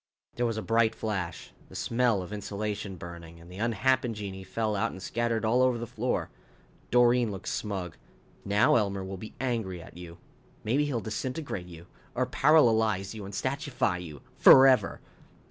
There was a bright flash, the smell of insulation burning, and the unhappen genii fell out and scattered all over the floor. Doreen looked smug. "Now Elmer will be angry at you. Maybe he'll disintegrate you. Or paralalize you and statuefy you. Forever."